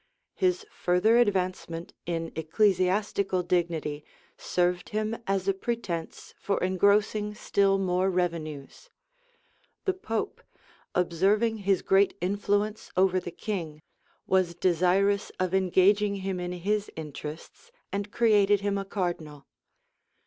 His further advancement in ecclesiastical dignity served him as a pretence for engrossing still more revenues: the pope, observing his great influence over the king, was desirous of engaging him in his interests, and created him a cardinal.